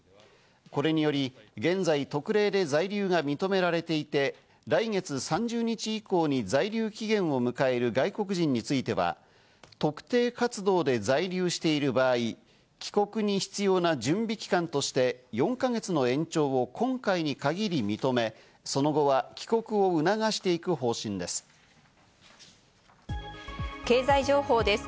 これにより現在、特例で在留が認められていて、来月３０日以降に在留期限を迎える外国人については、特定活動で在留している場合、帰国に必要な準備期間として４か月の延長を今回に限り認め、その後は帰国を促していく方針です。